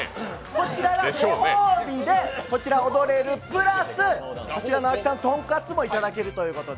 こちらがご褒美で踊れるプラス、こちらのとんかつ檍さんのとんかつもいただけるということで。